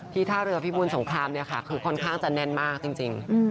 ที่ท่าเรือพี่บุญสงครามคือค่อนข้างจะแน่นมากจริง